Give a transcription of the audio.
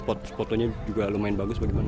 apa karena sepotonya juga lumayan bagus bagaimana